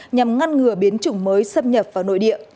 nhằm ngăn ngừa biến chủng mới xâm nhập vào nội địa